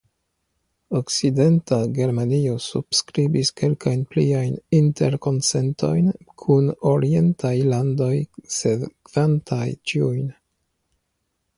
Okcidenta Germanio subskribis kelkajn pliajn interkonsentojn kun orientaj landoj sekvantaj tiujn.